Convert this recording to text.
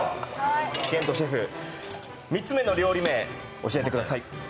健人シェフ、３つ目の料理名、教えてください。